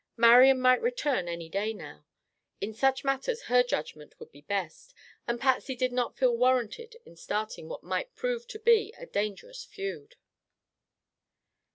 Marian might return any day now. In such matters her judgment would be best and Patsy did not feel warranted in starting what might prove to be a dangerous feud.